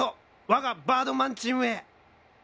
わがバードマンチームへ！